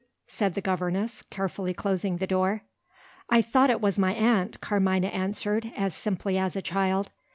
said the governess, carefully closing the door. "I thought it was my aunt," Carmina answered, as simply as a child.